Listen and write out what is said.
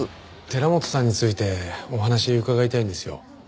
寺本さんについてお話伺いたいんですよ。